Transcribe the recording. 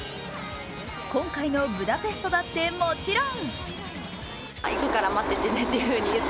今回のブダペストだってもちろん。